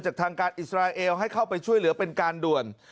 ทางการอิสราเอลให้เข้าไปช่วยเหลือเป็นการด่วน